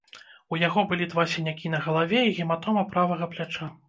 У яго былі два сінякі на галаве і гематома правага пляча.